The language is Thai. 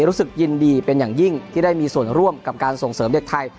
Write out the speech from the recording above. รู้สึกยินดีเป็นอย่างยิ่งที่ได้มีส่วนร่วมกับการส่งเสริมเด็กไทย